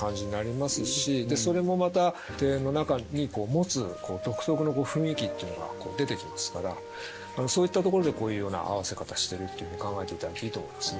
でそれもまた庭園の中に持つ独特の雰囲気っていうのが出てきますからそういったところでこういうような合わせ方してるっていうように考えて頂いていいと思いますね。